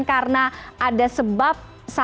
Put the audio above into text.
karena ada sebab satu dua tiga